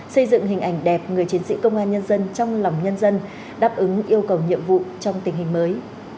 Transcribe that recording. xây dựng hình ảnh đẹp người chiến sĩ công an nhân dân trong lòng nhân dân đáp ứng yêu cầu nhiệm vụ trong tình hình mới